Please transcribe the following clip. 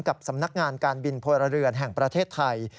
กับสำนักงานการบินพลเรือนแห่งประเทศไทย